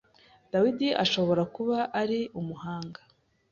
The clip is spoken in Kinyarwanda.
Dawudi ashobora kuba ari umuhanga